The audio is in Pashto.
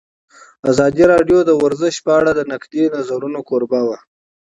ازادي راډیو د ورزش په اړه د نقدي نظرونو کوربه وه.